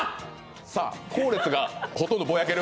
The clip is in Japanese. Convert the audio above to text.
さぁ、後列がほとんどぼやける。